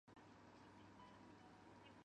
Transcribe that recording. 圆形盘肠蚤为盘肠蚤科盘肠蚤属的动物。